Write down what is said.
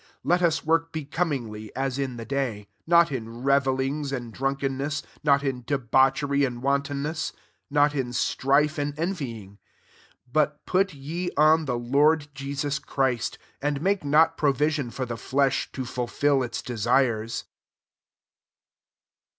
13 Ixt us walk becomingly, as in the day; not in revelings and drunken ness, not in debauchery and wantonness, not in stnle and envying. 14 But put ye on the Lord Jesus Christ ; and make not provision for the flesh, to fiiifii its desires.